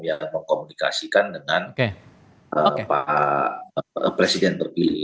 yang mengkomunikasikan dengan pak presiden terpilih